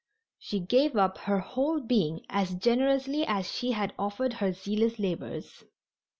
She gave up her whole being as generously as she had offered her zealous labors.